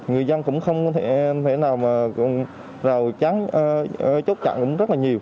người dân cũng không thể nào mà rào chắn chốt chặn cũng rất là nhiều